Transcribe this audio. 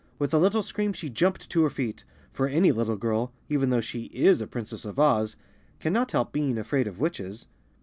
With a little scream she jumped to her feet, for any little girl, even though she is a Princess of Oz, cannot help being afraid of witches.